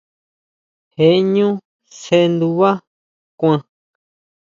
Je ʼñú sjendubá kuan.